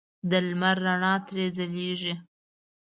د لمر رڼا ترې ځلېږي.